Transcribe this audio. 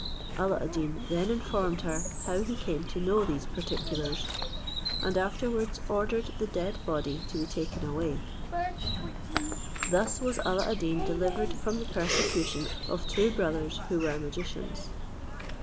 Alla ad Deen then informed her how he came to know these particulars, and afterwards ordered the dead body to be taken away. Thus was Alla ad Deen delivered from the persecution of two brothers, who were magicians.